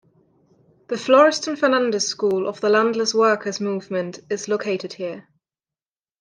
The Florestan Fernandes School of the Landless Workers' Movement is located here.